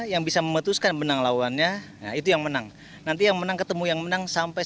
yang bisa memutuskan menang lawannya itu yang menang nanti yang menang ketemu yang menang sampai